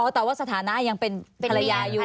แต่ว่าสถานะยังเป็นภรรยาอยู่